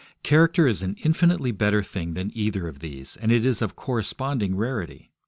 Character is an infinitely better thing than either of these, and it is of corresponding rarity.